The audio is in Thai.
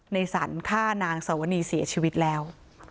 ในสรรฆ่านางสวนีเสียชีวิตแล้ว